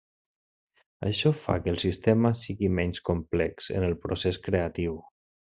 Això fa que el sistema sigui menys complex en el procés creatiu.